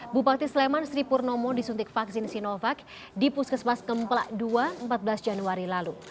bupati sleman sri purnomo disuntik vaksin sinovac di puskesmas kemplak dua empat belas januari lalu